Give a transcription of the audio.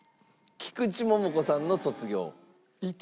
菊池桃子さんの『卒業』。